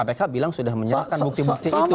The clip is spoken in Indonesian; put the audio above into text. kpk bilang sudah menyerahkan bukti bukti itu